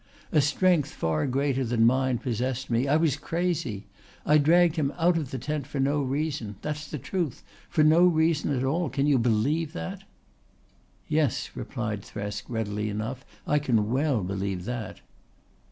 A strength far greater than mine possessed me. I was crazy. I dragged him out of the tent for no reason that's the truth for no reason at all. Can you believe that?" "Yes," replied Thresk readily enough. "I can well believe that."